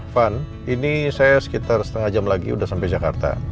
van ini saya sekitar setengah jam lagi sudah sampai jakarta